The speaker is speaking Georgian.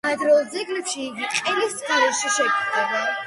ადრეულ ძეგლებში იგი ყელის გარეშე გვხვდება.